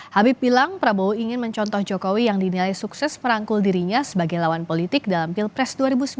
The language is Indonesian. habib bilang prabowo ingin mencontoh jokowi yang dinilai sukses merangkul dirinya sebagai lawan politik dalam pilpres dua ribu sembilan belas